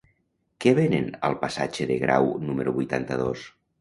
Què venen al passatge de Grau número vuitanta-dos?